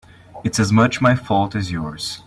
It's as much my fault as yours.